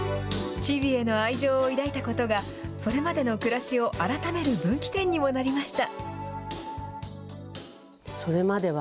チビへの愛情を抱いたことが、それまでの暮らしを改める分岐点にもなりました。